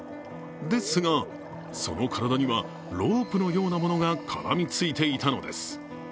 ですが、その体にはロープのようなものが絡みついていたのです。